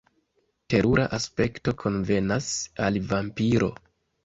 Terura aspekto konvenas al vampiro.